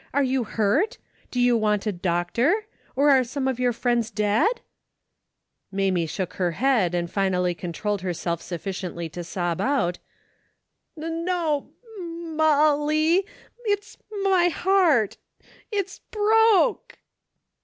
Are you hurt? Do you want a doctor ? Or are some of your friends dead ?" Mamie shook her head and finally controlled herself sufficiently to sob out : "1^0, M m molly. It's mv heart! It's broke